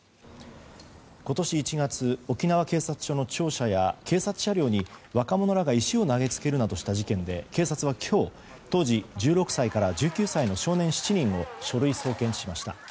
今年１月、沖縄警察署の庁舎や警察車両に若者らが石を投げつけるなどした事件で警察は今日、当時１６歳から１９歳の少年７人を書類送検しました。